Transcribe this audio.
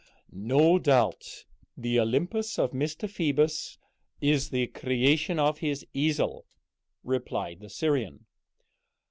"No doubt the Olympus of Mr. Phoebus is the creation of his easel," replied the Syrian.